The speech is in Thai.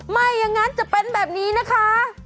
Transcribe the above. ไม่อย่างนั้นจะเป็นแบบนี้นะคะ